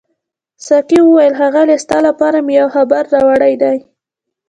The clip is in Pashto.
ساقي وویل ښاغلیه ستا لپاره مې یو خبر راوړی دی.